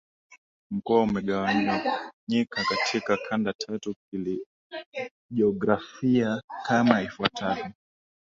Mkoa umegawanyika katika kanda tatu kijiografia kama ifuatavyo